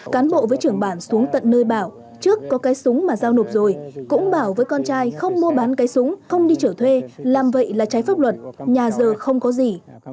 cán bộ với trưởng bản xuống tận nơi bảo trước có cái súng mà giao nộp rồi cũng bảo với con trai không mua bán cái súng không đi trở thuê làm vậy là trái pháp luật nhà giờ không có gì